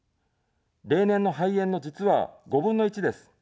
例年の肺炎の、実は５分の１です。